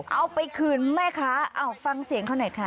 เอาไปคืนแม่ค้าเอาฟังเสียงเขาหน่อยค่ะ